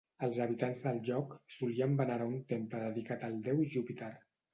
Els habitants del lloc solien venerar un temple dedicat al déu Júpiter.